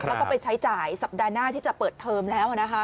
แล้วก็ไปใช้จ่ายสัปดาห์หน้าที่จะเปิดเทอมแล้วนะคะ